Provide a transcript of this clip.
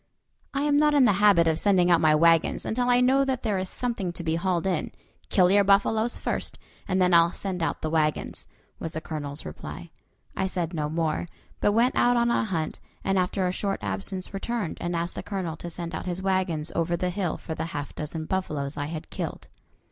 "I am not in the habit of sending out my wagons until I know that there is something to be hauled in; kill your buffaloes first, and then I'll send out the wagons," was the Colonel's reply. I said no more, but went out on a hunt, and after a short absence returned and asked the Colonel to send out his wagons over the hill for the half dozen buffaloes I had killed.